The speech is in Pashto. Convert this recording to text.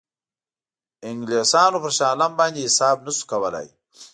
انګلیسانو پر شاه عالم باندې حساب نه شو کولای.